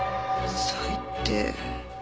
最低。